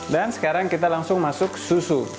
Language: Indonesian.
dan sekarang kita langsung masuk susu